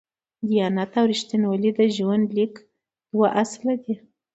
دیانت او رښتینولي د ژوند لیک دوه اصله دي.